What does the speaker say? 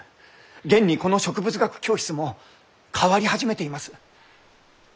現にこの植物学教室も変わり始めています。